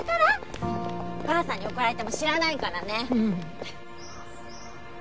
お母さんに怒られても知らないからね。